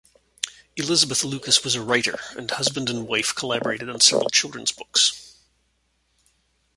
Elizabeth Lucas was a writer, and husband and wife collaborated on several children's books.